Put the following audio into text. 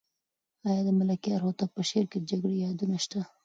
آیا د ملکیار هوتک په شعر کې د جګړې یادونه شته؟